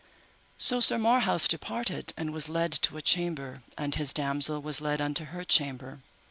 So Sir Marhaus departed and was led to a chamber, and his damosel was led unto her chamber.